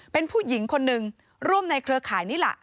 เป็นผู้หญิงคนหนึ่งร่วมในเครือข่ายนี่แหละ